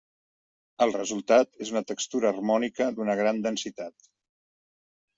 El resultat és una textura harmònica d'una gran densitat.